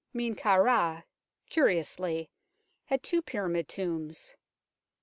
Men kau Ra, curiously, had two pyramid tombs.